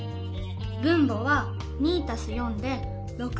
分母は２たす４で６。